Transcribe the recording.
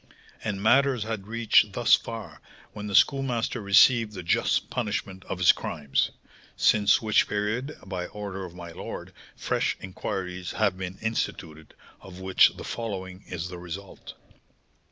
And matters had reached thus far when the Schoolmaster received the just punishment of his crimes; since which period, by order of my lord, fresh inquiries have been instituted, of which the following is the result.